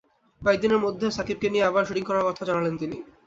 কয়েক দিনের মধ্যে শাকিবকে নিয়ে আবার শুটিং করার কথাও জানালেন তিনি।